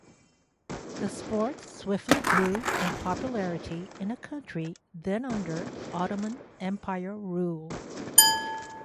The sport swiftly grew in popularity in a country then under Ottoman Empire rule.